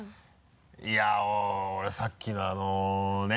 「いやっ俺さっきのあのね